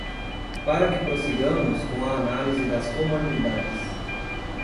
Para que prossigamos com a análise das comorbidades